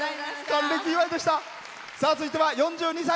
続いては４２歳。